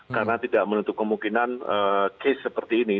karena tidak menentuk kemungkinan case seperti ini